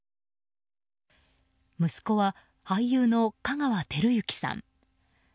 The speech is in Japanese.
息子は俳優の香川照之さん。